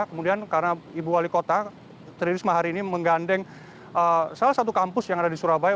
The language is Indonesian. kemudian karena ibu wali kota tri risma hari ini menggandeng salah satu kampus yang ada di surabaya